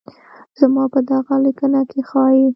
زما په دغه ليکنه کې ښايي